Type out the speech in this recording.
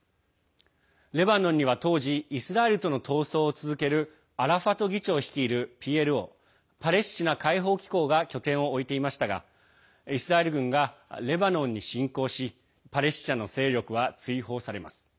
レバノンには当時イスラエルとの闘争を続けるアラファト議長率いるＰＬＯ＝パレスチナ解放機構が拠点を置いていましたがイスラエル軍がレバノンに侵攻しパレスチナの勢力は追放されます。